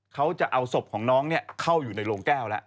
เขาจะเอาศพของน้องเข้าอยู่ในโรงแก้วแล้ว